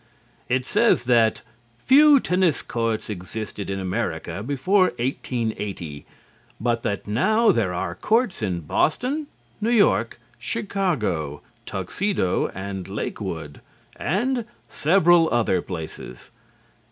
It says that "few tennis courts existed in America before 1880, but that now there are courts in Boston, New York, Chicago, Tuxedo and Lakewood and several other places."